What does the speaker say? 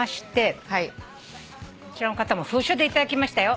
こちらの方も封書で頂きましたよ。